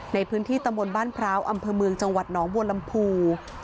ในพื้นที่ตำบลบ้านพร้าวอำเภอเมืองจังหวัดหนองบัวลำพู